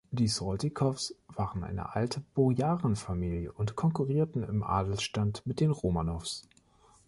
Die Saltykovs waren eine alte Bojarenfamilie und konkurrierten im Adelsstand mit den Romanovs.